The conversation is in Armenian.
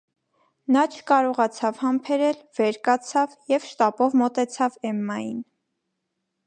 Նա չկարողացավ համբերել, վեր կացավ և շտապով մոտեցավ Էմմային: